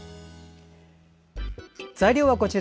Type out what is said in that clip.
材料はこちら。